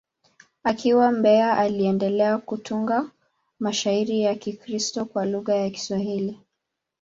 Akiwa Mbeya, aliendelea kutunga mashairi ya Kikristo kwa lugha ya Kiswahili.